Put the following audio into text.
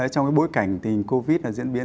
trong cái bối cảnh thì covid là diễn biến